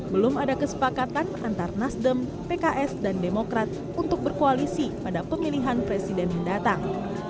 belum ada kesepakatan antar nasdem pks dan demokrat untuk berkoalisi pada pemilihan presiden mendatang